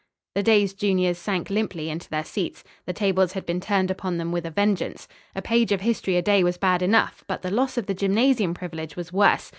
The dazed juniors sank limply into their seats. The tables had been turned upon them with a vengeance. A page of history a day was bad enough, but the loss of the gymnasium privilege was worse.